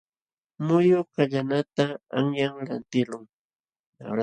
Muyu kallanata qanyan lantiqlun.